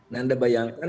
nah anda bayangkan